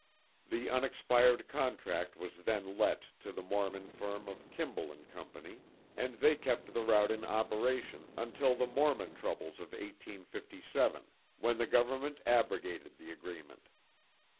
The unexpired contract was then let to the Mormon firm of Kimball & Co., and they kept the route in operation until the Mormon troubles of 1857 when the Government abrogated the agreement.